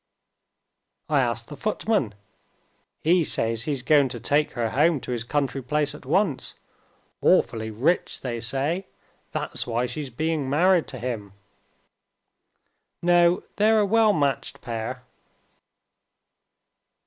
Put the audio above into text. "I asked the footman. He says he's going to take her home to his country place at once. Awfully rich, they say. That's why she's being married to him." "No, they're a well matched pair."